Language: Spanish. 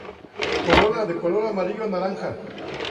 Corola de color amarillo a naranja.